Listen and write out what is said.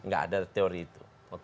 gak ada teori itu